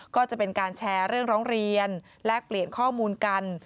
ก็จะเป็นการแชร์เรื่องร้องเรียนแลกเปลี่ยนข้อมูลกัน